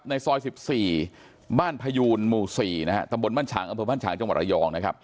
ในซอย๑๔บ้านพยูนหมู่๔ตำบลบ้านฉางจังหวัดอายอง